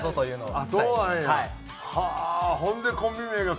はい！